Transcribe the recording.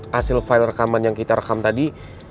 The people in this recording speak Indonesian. hasil file rekaman yang kita rekam tadi